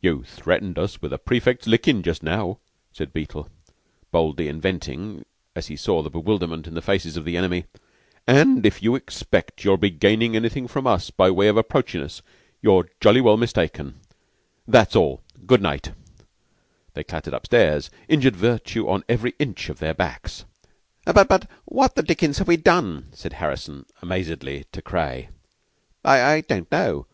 "You threatened us with a prefect's lickin' just now," said Beetle, boldly inventing as he saw the bewilderment in the faces of the enemy. "And if you expect you'll gain anything from us by your way of approachin' us, you're jolly well mistaken. That's all. Good night." They clattered upstairs, injured virtue on every inch of their backs. "But but what the dickens have we done?" said Harrison, amazedly, to Craye. "I don't know.